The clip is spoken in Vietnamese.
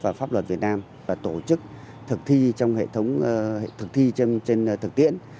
và pháp luật việt nam và tổ chức thực thi trong hệ thống thực thi trên thực tiễn